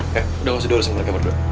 ya udah lo sudah urusin mereka berdua